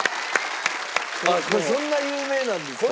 これそんな有名なんですか？